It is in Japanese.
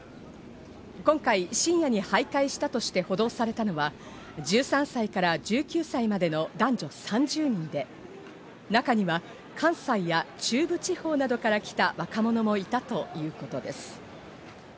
今回、深夜に徘徊したとして補導されたのは、１３歳から１９歳までの男女３０人で、中には関西や中部地方などから来た若者もいたということです。